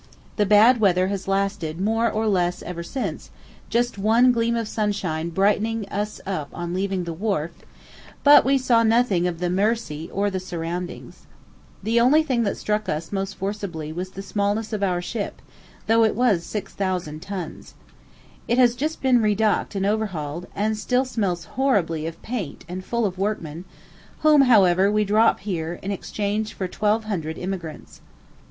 The bad weather has lasted more or less ever since, just one gleam of sunshine brightening us up on leaving the wharf, but we saw nothing of the Mersey or the surroundings. The only thing that struck us most forcibly was the smallness of our ship, though it was 6,000 tons. It has just been re docked and overhauled, and still smells horribly of paint and full of workmen, whom, however, we drop here, in exchange for 1,200 emigrants.